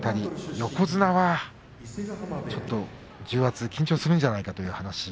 横綱はちょっと重圧緊張するんじゃないかという話。